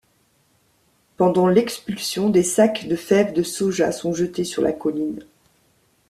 Pendant l'expulsion, des sacs de fèves de soja sont jetés sur la colline.